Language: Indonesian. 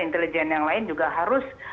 intelijen yang lain juga harus